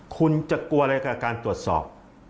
คุณจะกลัวอะไรกับการตรวจสอบ